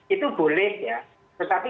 itu boleh ya tetapi